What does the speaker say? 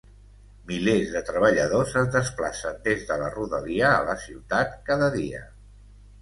Milers de treballadors es desplacen des de la rodalia a la ciutat cada dia.